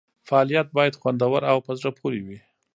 فعالیت باید خوندور او په زړه پورې وي.